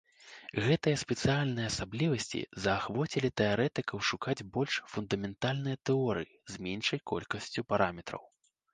Гэтыя спецыяльныя асаблівасці заахвоцілі тэарэтыкаў шукаць больш фундаментальныя тэорыі з меншай колькасцю параметраў.